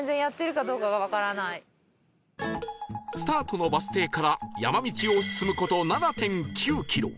スタートのバス停から山道を進む事 ７．９ キロ